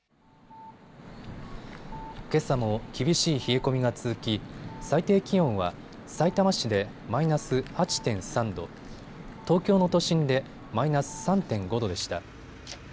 けさも厳しい冷え込みが続き、最低気温はさいたま市でマイナス８．３度、東京の都心でマイナス３．５度でした。